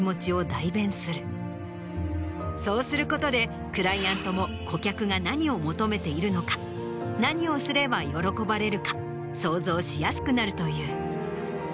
そうすることでクライアントも顧客が何を求めているのか何をすれば喜ばれるか想像しやすくなるという。